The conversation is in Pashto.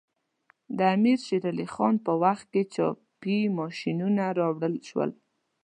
د امیر شیر علی خان په وخت کې چاپي ماشینونه راوړل شول.